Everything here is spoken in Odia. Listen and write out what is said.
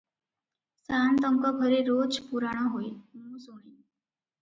ସାଆନ୍ତଙ୍କ ଘରେ ରୋଜ ପୁରାଣ ହୁଏ, ମୁଁ ଶୁଣେ ।